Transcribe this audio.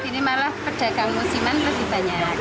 malah pedagang musiman lebih banyak